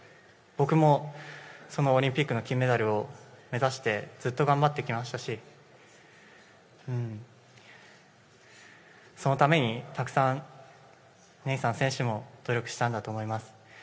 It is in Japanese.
僕もそのオリンピックの金メダルを目指して、ずっと頑張ってきましたし、そのためにたくさんネイサン選手も努力したんだと思います。